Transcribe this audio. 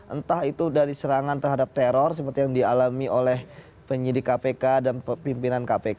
entah itu dari serangan terhadap teror seperti yang dialami oleh penyidik kpk dan pimpinan kpk